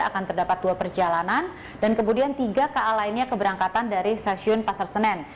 akan terdapat dua perjalanan dan kemudian tiga ka lainnya keberangkatan dari stasiun pasar senen